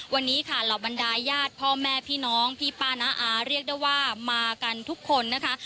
วันนี้ค่ะเหล่าบรรดายญาติพ่อแม่พี่น้องพี่ป้าน้าอาเรียกได้ว่ามากันทุกคนนะคะ